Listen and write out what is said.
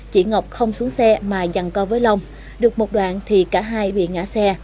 chị ngọc không xuống xe mà dằn co với long được một đoạn thì cả hai bị ngã xe